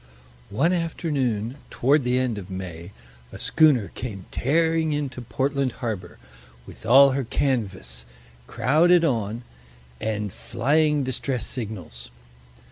One afternoon, toward the end of May, a schooner came tearing into Portland harbor, with all her canvas, crowded on, and flying distress signals.